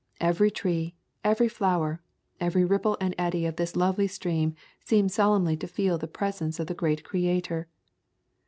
Every tree, every flower, every ripple and eddy of this lovely stream seemed solemnly to feel the presence of the great Cre ator.